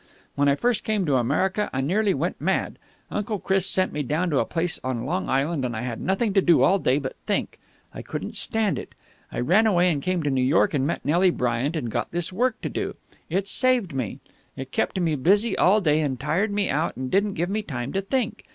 When I first came to America, I nearly went mad. Uncle Chris sent me down to a place on Long Island, and I had nothing to do all day but think. I couldn't stand it. I ran away and came to New York and met Nelly Bryant and got this work to do. It saved me. It kept me busy all day and tired me out and didn't give me time to think.